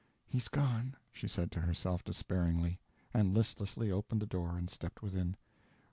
"He's gone," she said to herself despairingly, and listlessly opened the door and stepped within.